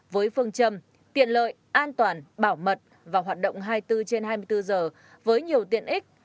với phương châm tiện lợi an toàn bảo mật và hoạt động hai mươi bốn trên hai mươi bốn giờ với nhiều tiện ích